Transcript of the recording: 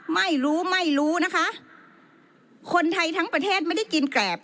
ไม่รู้ไม่รู้นะคะคนไทยทั้งประเทศไม่ได้กินแกรบ